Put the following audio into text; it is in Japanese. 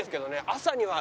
朝には。